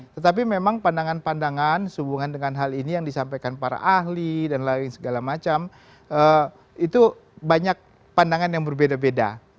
tetapi memang pandangan pandangan sehubungan dengan hal ini yang disampaikan para ahli dan lain segala macam itu banyak pandangan yang berbeda beda